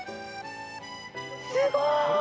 すごーい！